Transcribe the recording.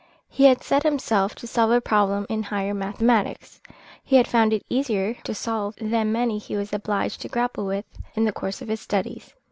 He had set himself to solve a problem in higher mathematics. He had found it easier to solve than many he was obliged to grapple with in the course of his studies.